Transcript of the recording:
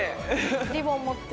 リボン持って。